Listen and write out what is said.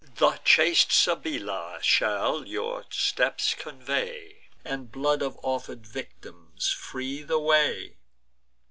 The chaste Sibylla shall your steps convey, And blood of offer'd victims free the way.